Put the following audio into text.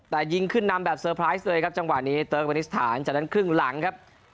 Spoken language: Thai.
แต่ยิงขึ้นนำแบบเตอร์ไพรส์เลยครับจังหวะนี้เติร์กวานิสถานจากนั้นครึ่งหลังครับ